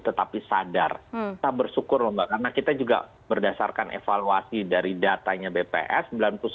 tetapi sadar kita bersyukur loh mbak karena kita juga berdasarkan evaluasi dari datanya bps